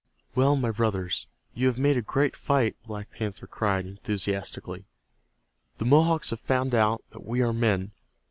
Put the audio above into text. "Well, my brothers, you have made a great fight," Black Panther cried, enthusiastically. "The Mohawks have found out that we are men.